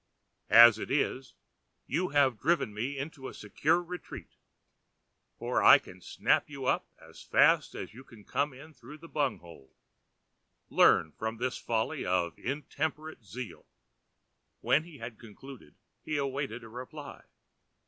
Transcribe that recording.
As it is, you have driven me into a secure retreat; for I can snap you up as fast as you come in through the bung hole. Learn from this the folly of intemperate zeal." When he had concluded, he awaited a reply.